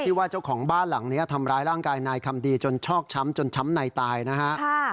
ว่าเจ้าของบ้านหลังนี้ทำร้ายร่างกายนายคำดีจนชอกช้ำจนช้ำในตายนะฮะ